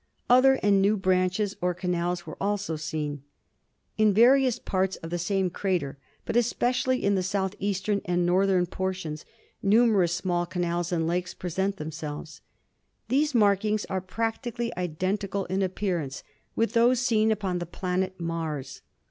Other and new branches or canals were also seen. In various parts of the same crater, but especially in the southeastern and northern portions, numerous small canals and lakes present themselves. These markings are practically identi cal in appearance with those seen upon the planet Mars.